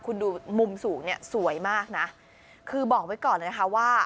คุณดูมุมสูงเนี่ยสวยมากนะคือบอกไว้ก่อนเลยนะคะว่า